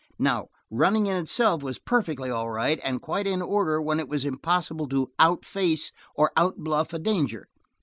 Now, running in itself was perfectly all right and quite in order when it was impossible to outface or outbluff a danger.